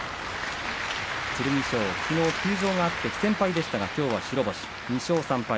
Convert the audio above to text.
剣翔、きのう休場があって不戦敗でしたがきょうは白星２勝３敗。